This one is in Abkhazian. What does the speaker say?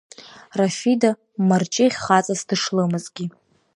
Рафида Марҷыӷь хаҵас дышлымазгьы.